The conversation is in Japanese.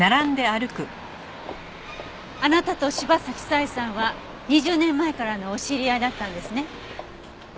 あなたと柴崎佐江さんは２０年前からのお知り合いだったんですね。